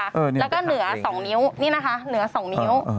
แล้วก็เหนือ๒นิ้วนี่นะคะเหนือ๒นิ้ว